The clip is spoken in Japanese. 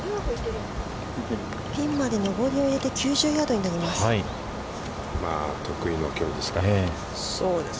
◆ピンまで上りを入れて、９０ヤードになります。